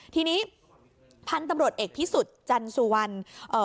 ทีนี้พันธุ์ตำรวจเอกพิสุทธิ์จันสุวรรณเอ่อ